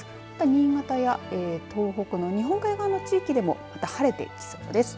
新潟や東北の日本海側の地域でもまた晴れてきそうです。